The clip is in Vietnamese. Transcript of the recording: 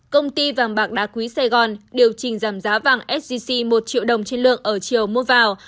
công ty vàng bạc đá quý sài gòn điều chỉnh giảm giá vàng sgc một triệu đồng trên lượng ở chiều mua vào